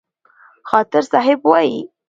خاطر صاحب وايي: